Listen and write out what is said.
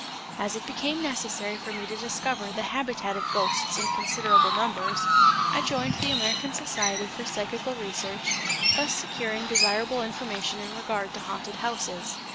As it became necessary for me to discover the habitat of ghosts in considerable numbers, I joined the American Society for Psychical Research, thus securing desirable information in regard to haunted houses.